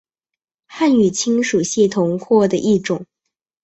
汉语亲属系统或的一种。